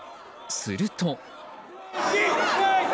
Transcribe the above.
すると。